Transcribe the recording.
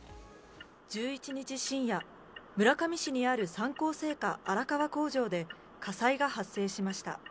１１日深夜、村上市にある三幸製菓荒川工場で火災が発生しました。